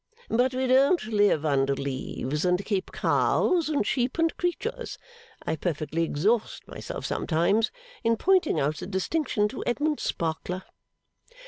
But we don't live under leaves, and keep cows and sheep and creatures. I perfectly exhaust myself sometimes, in pointing out the distinction to Edmund Sparkler.